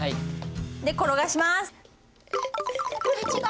で転がします。